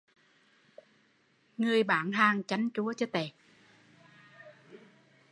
Người bán hàng chanh chua